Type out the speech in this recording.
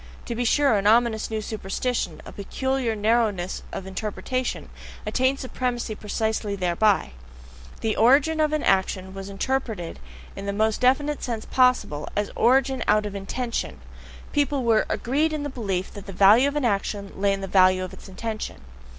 To be sure, an ominous new superstition, a peculiar narrowness of interpretation, attained supremacy precisely thereby: the origin of an action was interpreted in the most definite sense possible, as origin out of an INTENTION; people were agreed in the belief that the value of an action lay in the value of its intention.